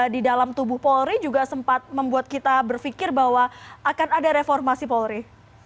di dalam tubuh polri juga sempat membuat kita berpikir bahwa akan ada reformasi polri